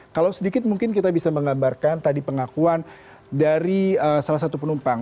kalau sedikit mungkin kita bisa menggambarkan tadi pengakuan dari salah satu penumpang